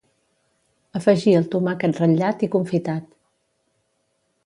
Afegir el tomàquet ratllat i confitat.